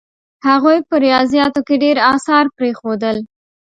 هغوی په ریاضیاتو کې ډېر اثار پرېښودل.